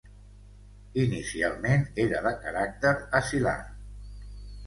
Inicialment era de caràcter asilar.